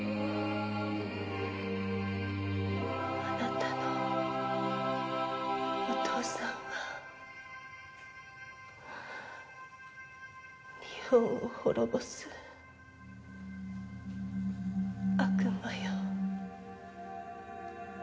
あなたのお父さんは日本を滅ぼす悪魔よ。